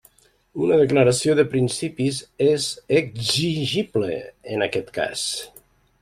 Una declaració de principis és exigible, en aquest cas.